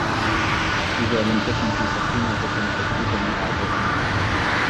إذا لم تكن في صفنا فسنعدك من أعدائنا.